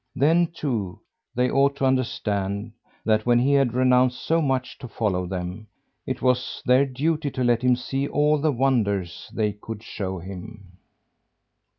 Then, too, they ought to understand that when he had renounced so much to follow them, it was their duty to let him see all the wonders they could show him.